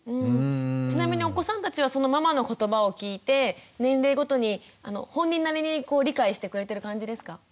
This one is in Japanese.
ちなみにお子さんたちはそのママの言葉を聞いて年齢ごとに本人なりに理解してくれてる感じですか？